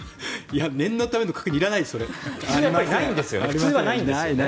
念のための確認いらないですよね。